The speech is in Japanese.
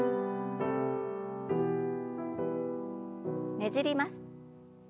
ねじります。